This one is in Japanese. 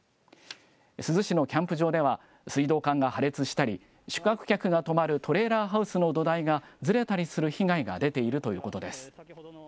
珠洲市のキャンプ場では、水道管が破裂したり、宿泊客が泊まるトレーラーハウスの土台がずれたりする被害が出ているということです。